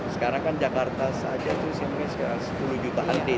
sekarang kan jakarta saja itu sepuluh jutaan data